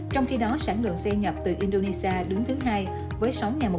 trong khi đó sản lượng xe nhập từ indonesia đứng thứ hai với sáu một trăm bảy mươi chín